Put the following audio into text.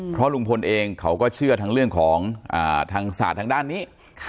เพราะลุงพลเองเขาก็เชื่อทั้งเรื่องของทางศาสตร์ทางด้านนี้